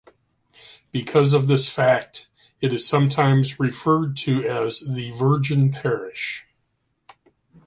Because of this fact, it is sometimes referred to as "The Virgin Parish".